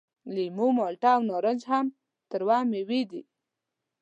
لیمو، مالټه او نارنج هم تروه میوې دي.